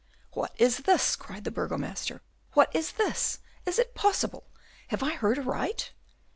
"What is this?" cried the burgomaster; "what is this? Is it possible? have I heard aright?"